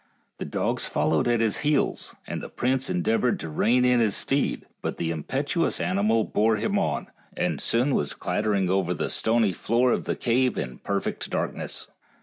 The dogs followed at his heels, and the prince endeavored to rein in his steed, but the impetuous animal bore him on, and soon was clattering over the stony floor of the cave in perfect darkness.